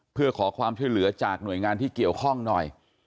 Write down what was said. เพื่อขอความช่วยเหลือจากหน่วยงานที่เกี่ยวข้องหน่อย